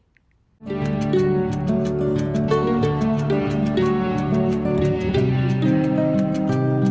hãy đăng ký kênh để ủng hộ kênh của mình nhé